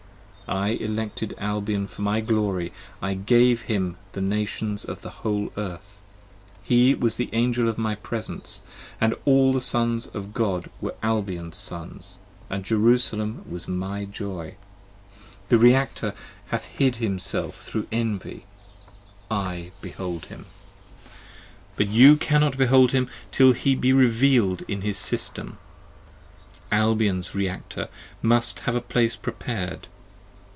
I elected Albion for my glory: I gave to him the Nations Of the whole Earth. He was the Angel of my Presence: and all The Sons of God were Albion's Sons : and Jerusalem was my joy. The Reactor hath hid himself thro' envy. I behold him, io But you cannot behold him till he be reveal'd in his System. Albion's Reactor must have a Place prepar'd.